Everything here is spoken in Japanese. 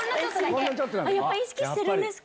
やっぱ、意識するんですか。